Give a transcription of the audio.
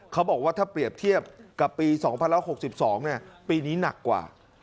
เขาบอกว่าถ้าเปรียบเทียบกับปีสองพันร้อยหกสิบสองเนี่ยปีนี้หนักกว่า